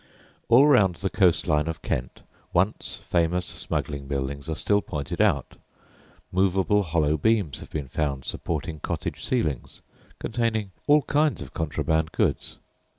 All round the coast line of Kent once famous smuggling buildings are still pointed out. Movable hollow beams have been found supporting cottage ceilings, containing all kinds of contraband goods.